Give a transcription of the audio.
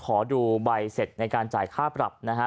ขอดูใบเสร็จในการจ่ายค่าปรับนะฮะ